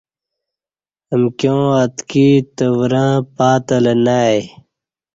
امکیاں اتکی تورں پاتلہ نہ آئی۔